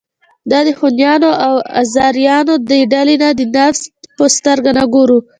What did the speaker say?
د خونیانو او آزاریانو دې ډلې ته د نهضت په سترګه نه ګورو.